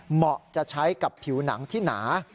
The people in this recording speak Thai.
เหมาะจะใช้กับผิวหนังที่หนา